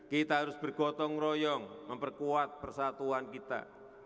kita harus bergotong royong memperkuat persatuan kita